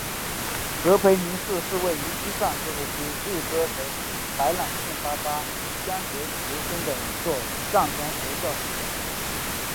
格培林寺是位于西藏自治区日喀则市白朗县巴扎乡觉杰村的一座藏传佛教寺院。